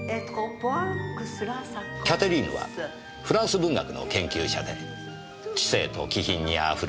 キャテリーヌはフランス文学の研究者で知性と気品にあふれ